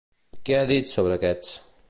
Què ha dit sobre aquests?